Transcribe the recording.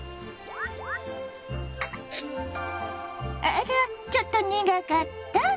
あらっちょっと苦かった？